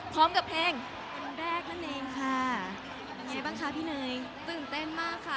ที่ใครต่อใครต้องมา